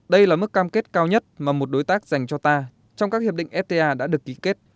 đây là mức cam kết cao nhất mà một đối tác dành cho ta trong các hiệp định fta đã được ký kết